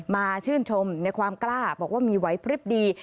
มาชื่นชมในความกล้าบอกว่ามีไหวพลิบดี